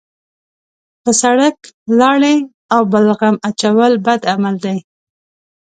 په سړک لاړې او بلغم اچول بد عمل دی.